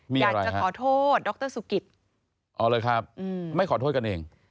อยากจะขอโทษดรสุกิตอ๋อเลยครับไม่ขอโทษกันเอง